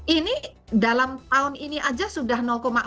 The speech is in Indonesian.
ini dalam tahun ini aja sudah empat